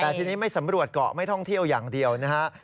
แต่ทีนี้ไม่สำรวจเกาะไม่ท่องเที่ยวอย่างเดียวนะฮะ